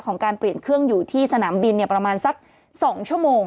การเปลี่ยนเครื่องอยู่ที่สนามบินประมาณสัก๒ชั่วโมง